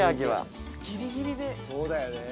そうだよね。